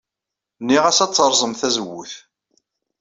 Nniɣ-as ad terẓem tazewwut.